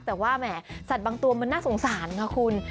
แต่ว่าแหมสัตว์บางตัวมันน่าสงสารค่ะคุณ